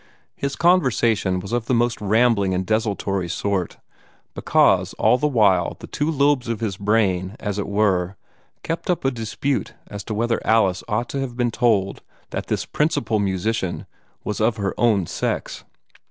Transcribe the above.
His conversation was of the most rambling and desultory sort, because all the while the two lobes of his brain, as it were, kept up a dispute as to whether Alice ought to have been told that this "principal musician" was of her own sex.